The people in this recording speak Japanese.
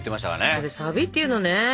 それサビっていうのね。